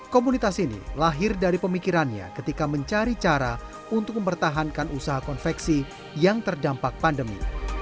komunitas ini lahir dari pemikirannya ketika mencari cara untuk mempertahankan usaha konveksi yang terdampak pandemi